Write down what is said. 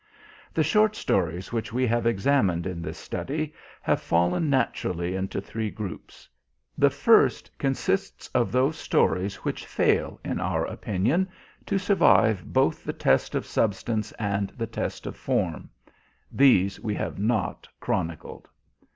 The short stories which we have examined in this study have fallen naturally into three groups. The first consists of those stories which fail, in our opinion, to survive both the test of substance and the test of form. These we have not chronicled.